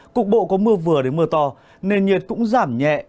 cục bộ có mưa vừa đến mưa to nền nhiệt cũng giảm nhẹ